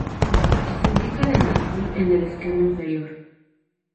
Y se indican en azul en el esquema inferior.